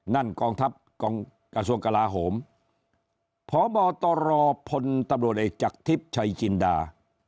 นั่นกองทัพกราชวงศ์กราโหมพบตพตเอกจักทิพย์ชัยจินดา